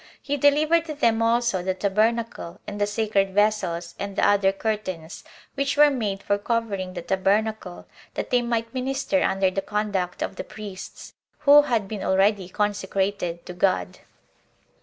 He delivered to them also the tabernacle, and the sacred vessels, and the other curtains, which were made for covering the tabernacle, that they might minister under the conduct of the priests, who had been already consecrated to God.